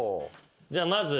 じゃあまず。